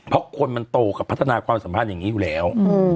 เพราะคนมันโตกับพัฒนาความสัมพันธ์อย่างนี้อยู่แล้ว